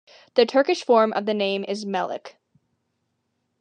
The Turkish form of the name is Melek.